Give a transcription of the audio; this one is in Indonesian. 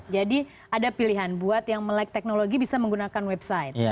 jadi ada pilihan buat yang melek teknologi bisa menggunakan website